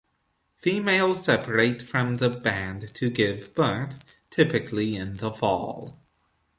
Females separate from the band to give birth, typically in the fall.